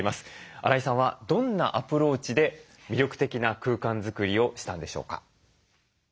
荒井さんはどんなアプローチで魅力的な空間作りをしたんでしょうか？